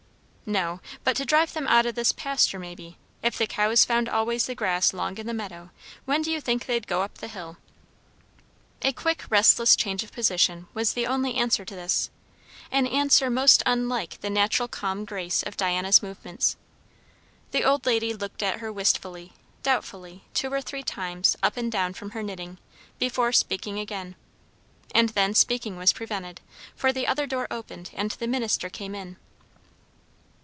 "No; but to drive them out o' this pasture, maybe. If the cows found always the grass long in the meadow, when do you think they'd go up the hill?" A quick, restless change of position was the only answer to this; an answer most unlike the natural calm grace of Diana's movements. The old lady looked at her wistfully, doubtfully, two or three times up and down from her knitting, before speaking again. And then speaking was prevented, for the other door opened and the minister came in.